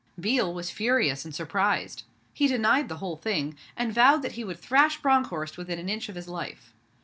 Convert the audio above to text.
Biel was furious and surprised. He denied the whole thing, and vowed that he would thrash Bronckhorst within an inch of his life.